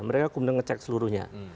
mereka kemudian ngecek seluruhnya